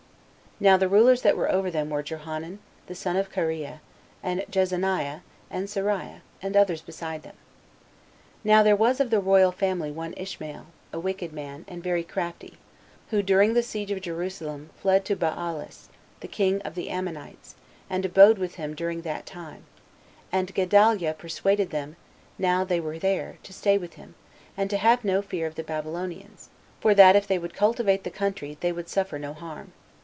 Now the rulers that were over them were Johanan, the son of Kareah, and Jezaniah, and Seraiah, and others beside them. Now there was of the royal family one Ishmael, a wicked man, and very crafty, who, during the siege of Jerusalem, fled to Baalis, the king of the Ammonites, and abode with him during that time; and Gedaliah persuaded them, now they were there, to stay with him, and to have no fear of the Babylonians, for that if they would cultivate the country, they should suffer no harm.